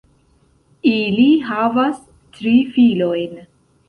Ili havas tri filojn.